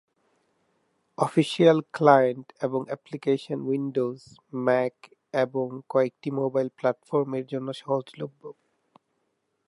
Official client এবং application Windows, Mac এবং কয়েকটি মোবাইল প্ল্যাটফর্মের জন্য সহজলভ্য।